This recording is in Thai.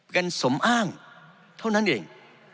กันสมอ้างเท่านั้นเอง